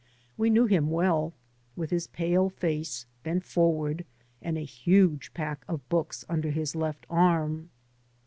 We knew him well, with his pale face, bent forward, and a huge pack of books under his left arm.